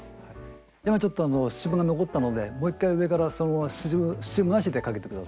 今ちょっとスチームが残ったのでもう１回上からそのままスチームなしでかけて下さい。